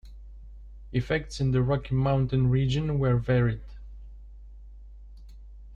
Effects in the Rocky Mountain region were varied.